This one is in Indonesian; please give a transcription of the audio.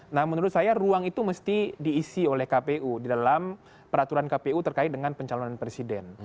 nah menurut saya ruang itu mesti diisi oleh kpu di dalam peraturan kpu terkait dengan pencalonan presiden